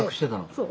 そう。